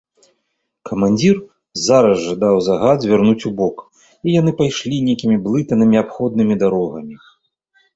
Камандзір зараз жа даў загад звярнуць убок, і яны пайшлі нейкімі блытанымі абходнымі дарогамі.